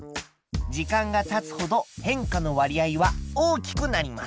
時間がたつほど変化の割合は大きくなります。